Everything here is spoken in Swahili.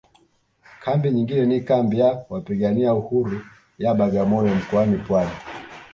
Kambi nyingine ni kambi ya wapigania uhuru ya Bagamoyo mkoani Pwani